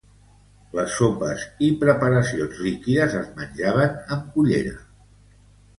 Les sopes i preparacions líquides es menjaven amb cullera.